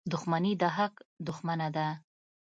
• دښمني د حق دښمنه ده.